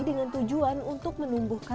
dengan tujuan untuk melakukan peredaran darah